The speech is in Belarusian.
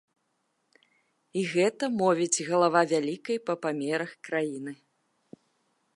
І гэта мовіць галава вялікай па памерах краіны.